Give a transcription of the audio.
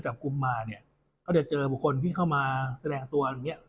จับกุมมาเขาจะเจอผู้คนที่เข้ามาแสดงตัวอันนี้